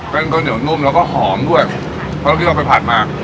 เส้นก็เหนียวนุ่มแล้วก็หอมด้วยเพราะที่เราไปผัดมา